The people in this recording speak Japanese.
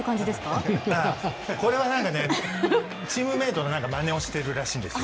あっこれはなんかねチームメートのまねをしてるらしいんですよ。